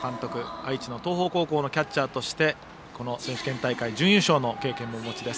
愛知の東邦高校のキャッチャーとしてこの選手権大会準優勝の経験もお持ちです